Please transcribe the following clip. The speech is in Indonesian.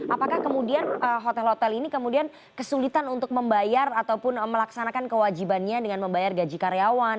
apakah kemudian hotel hotel ini kemudian kesulitan untuk membayar ataupun melaksanakan kewajibannya dengan membayar gaji karyawan